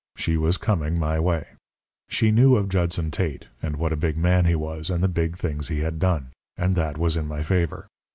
She was coming my way. She knew of Judson Tate, and what a big man he was, and the big things he had done; and that was in my favour.